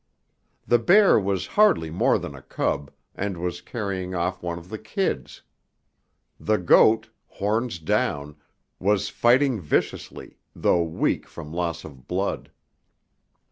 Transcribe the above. The bear was hardly more than a cub, and was carrying off one of the kids. The goat, horns down, was fighting viciously, though weak from loss of blood.